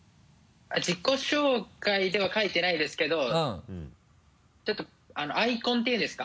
自己紹介では書いてないですけどちょっとアイコンっていうんですか？